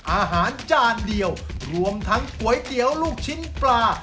อาหารจานเดียวรวมทั้งก๋วยเตี๋ยวลูกชิ้นปลา